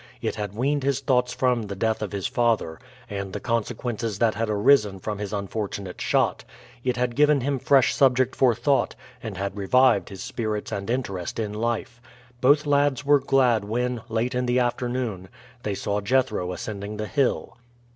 It had weaned his thoughts from the death of his father, and the consequences that had arisen from his unfortunate shot; it had given him fresh subject for thought, and had revived his spirits and interest in life. Both lads were glad when, late in the afternoon, they saw Jethro ascending the hill.